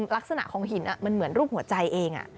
ลักษณะของหินมันเหมือนรูปหัวใจเอง